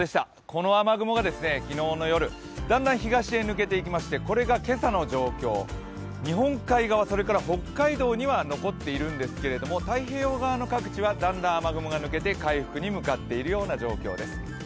この雨雲が昨日の夜、だんだん東へ抜けていきましてこれが今朝の状況、日本海側、それから北海道には残っているんですけれども太平洋側の各地はだんだん雨雲が抜けて回復に向かっていっている状況です。